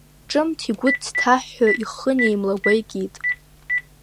Ҿымҭ игәы дҭаҳәҳәо ихы неимлагәа икит.